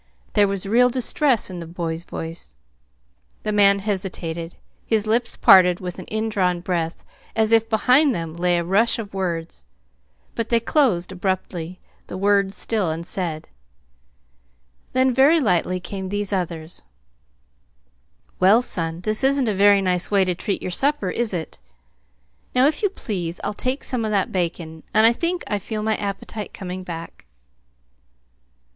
There was real distress in the boy's voice. The man hesitated. His lips parted with an indrawn breath, as if behind them lay a rush of words. But they closed abruptly, the words still unsaid. Then, very lightly, came these others: "Well, son, this isn't a very nice way to treat your supper, is it? Now, if you please, I'll take some of that bacon. I think I feel my appetite coming back."